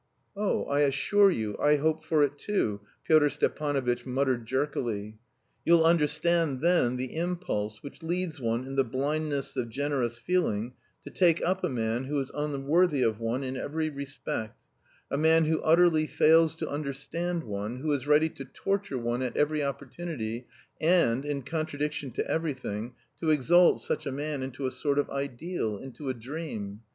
"Oh, I assure you, I hope for it too," Pyotr Stepanovitch muttered jerkily. "You'll understand then the impulse which leads one in the blindness of generous feeling to take up a man who is unworthy of one in every respect, a man who utterly fails to understand one, who is ready to torture one at every opportunity and, in contradiction to everything, to exalt such a man into a sort of ideal, into a dream.